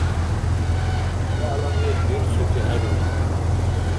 ВегӀла мез дирцути хӀедирар.